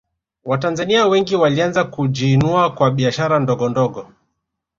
watanzania wengi walianza kujiinua kwa biashara ndogondogo